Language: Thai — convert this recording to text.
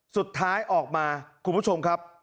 สุดท้ายออกมาคุณผู้ชมครับ